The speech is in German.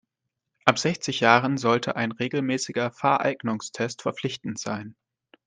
Ab sechzig Jahren sollte ein regelmäßiger Fahreignungstest verpflichtend sein.